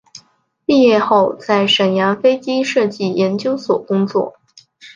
毕业后在沈阳飞机设计研究所工作。